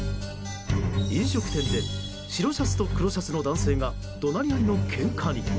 飲食店で白シャツと黒シャツの男性が怒鳴り合いのけんかに。